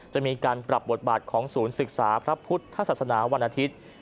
จะมีการปรับบทบาทของศูนย์ศึกษาพระพุทธศาสนาวันอาทิตย์